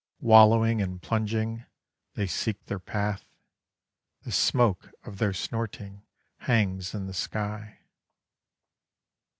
Wallowing and plunging, They seek their path, The smoke of their snorting Hangs in the sky.